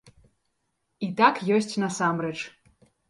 І так ёсць насамрэч.